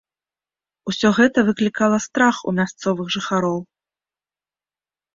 Усё гэта выклікала страх у мясцовых жыхароў.